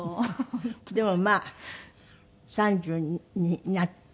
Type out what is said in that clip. でもまあ３０になって。